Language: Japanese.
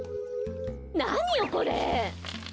なによこれ！